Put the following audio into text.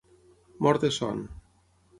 Mort de son.